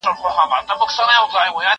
ورښكاره چي سي دښمن زړه يې لړزېږي